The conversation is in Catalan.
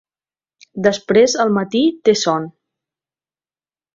Després al matí té son.